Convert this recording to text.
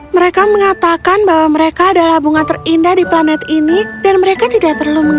mereka mengatakan bahwa mereka adalah bunga terindah di planet ini dan mereka tidak perlu